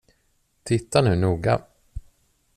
Titta nu noga.